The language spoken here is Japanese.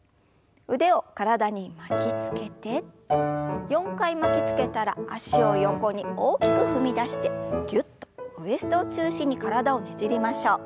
腕を体に巻きつけて４回巻きつけたら脚を横に大きく踏み出してぎゅっとウエストを中心に体をねじりましょう。